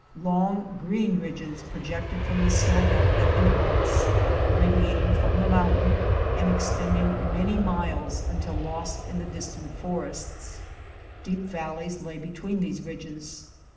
Long, green ridges projected from this snow belt at intervals, radiating from the moun tain and extending many miles until lost in the distant forests. Deep valleys lay between these ridges.